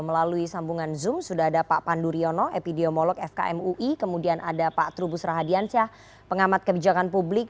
melalui sambungan zoom sudah ada pak pandu riono epidemiolog fkm ui kemudian ada pak trubus rahadiansyah pengamat kebijakan publik